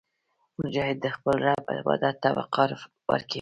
مجاهد د خپل رب عبادت ته وقار ورکوي.